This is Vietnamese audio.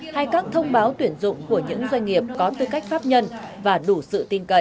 hay các thông báo tuyển dụng của những doanh nghiệp có tư cách pháp nhân và đủ sự tin cậy